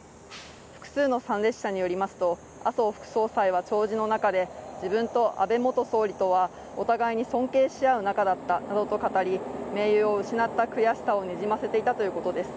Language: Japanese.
複数の参列者によりますと麻生副総裁は弔辞の中で自分と安倍元総理とはお互いに尊敬し合う仲だったなどと語り、盟友を失った悔しさをにじませていたということです。